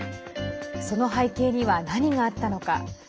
その背景には何があったのか。